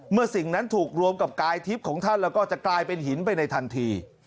สิ่งนั้นถูกรวมกับกายทิพย์ของท่านแล้วก็จะกลายเป็นหินไปในทันที